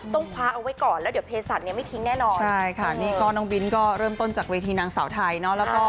ต้องคว้าเอาไว้ก่อนแล้วเดี๋ยวเพศัตวเนี่ยไม่ทิ้งแน่นอนใช่ค่ะนี่ก็น้องบิ้นก็เริ่มต้นจากเวทีนางสาวไทยเนาะ